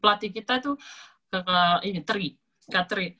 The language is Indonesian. pelatih kita itu teri